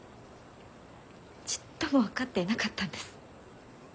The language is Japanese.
ちっとも分かっていなかったんです。